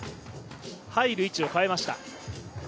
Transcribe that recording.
入る位置を変えました。